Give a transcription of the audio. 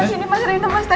pelan pelan nanda ya